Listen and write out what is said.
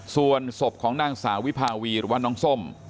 ส่วนศพของนางสาววิภาวีหรือว่าน้องส้ม